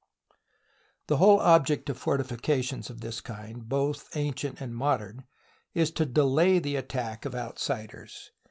The whole object of fortifications of this kind, both ancient and modern, is to delay the attack of outsiders.